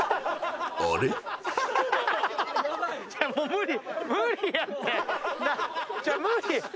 無理！